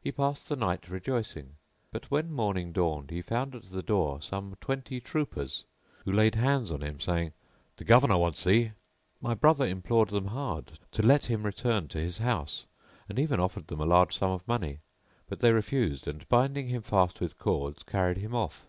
He passed the night rejoicing, but when morning dawned he found at the door some twenty troopers who laid hands on him saying, "The Governor wants thee!" My brother implored them hard to let him return to his house; and even offered them a large sum of money; but they refused and, binding him fast with cords, carried him off.